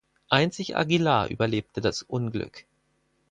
Einzig Aguilar überlebte das Unglück.